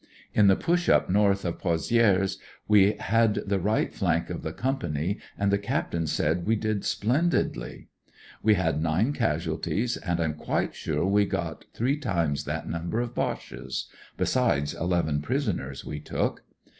In the push up north of Pozidres we had the right flank of the Company, and the Captain said we did splendidly. We had nme casualties, and I'm quite sure we got three times that number of Boches, besides eleven prisoners we took.